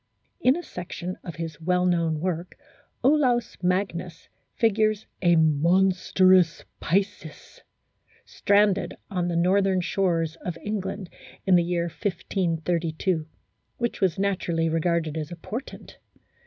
In a section of his well known work Olaus Magnus figures a " monstrosus piscis," stranded on the northern shores of England in the year 1532, which was naturally regarded as a portent.